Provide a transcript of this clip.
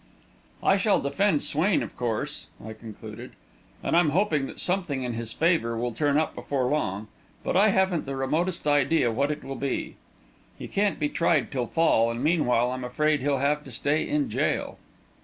"I shall defend Swain, of course," I concluded, "and I'm hoping that something in his favour will turn up before long, but I haven't the remotest idea what it will be. He can't be tried till fall, and meanwhile I'm afraid he'll have to stay in jail."